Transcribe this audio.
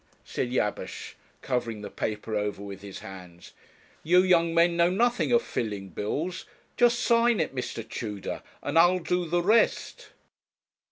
said Jabesh, covering the paper over with his hands; 'you young men know nothing of filling bills; just sign it, Mr. Tudor, and I'll do the rest.'